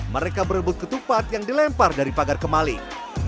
mereka berebut ketupat yang dilempar dari pagar kemalik